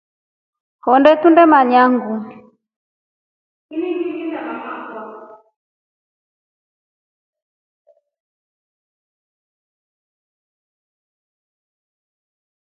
Honde tunemanya nguu.